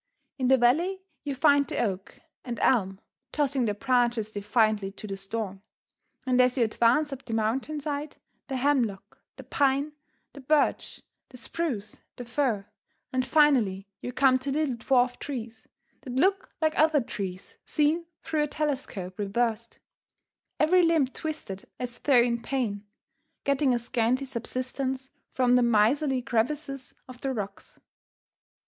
In the valley you find the oak and elm tossing their branches defiantly to the storm, and as you advance up the mountain side the hemlock, the pine, the birch, the spruce, the fir, and finally you come to little dwarfed trees, that look like other trees seen through a telescope reversed every limb twisted as though in pain getting a scanty subsistence from the miserly crevices of the rocks.